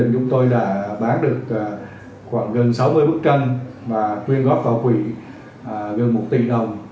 chúng tôi đã bán được khoảng gần sáu mươi bức tranh và quyên góp vào quỹ gần một tỷ đồng